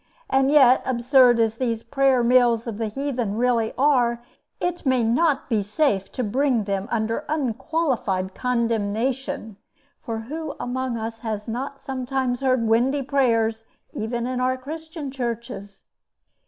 And yet, absurd as these prayer mills of the heathen really are, it may not be safe to bring them under unqualified condemnation: for who among us has not sometimes heard windy prayers even in our Christian churches?